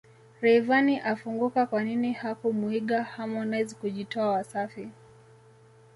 Rayvanny afunguka kwanini hakumuiga Harmonize kujitoa Wasafi